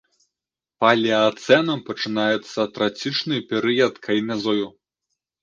Палеацэнам пачынаецца трацічны перыяд кайназою.